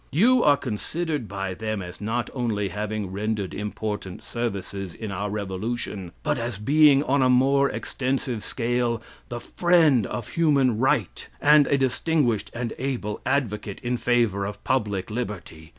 You are considered by them as not only having rendered important services in our revolution, but as being on a more extensive scale the friend of human right and a distinguished and able advocate in favor of public liberty.